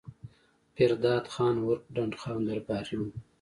پير داد خان عرف ډنډ خان درباري وو